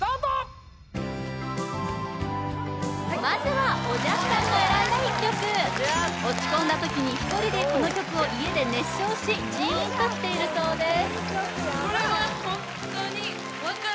はいまずはおじゃすさんの選んだ１曲落ち込んだ時に１人でこの曲を家で熱唱しジーンときているそうです